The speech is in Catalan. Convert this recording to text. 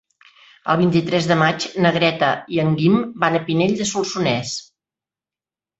El vint-i-tres de maig na Greta i en Guim van a Pinell de Solsonès.